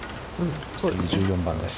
１４番です。